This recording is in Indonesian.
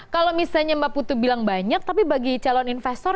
kalau misalnya mbak putu bilang banyak tapi bagi calon investor